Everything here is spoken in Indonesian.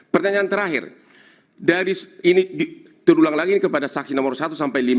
pertanyaan terakhir dari ini terulang lagi kepada saksi nomor satu sampai lima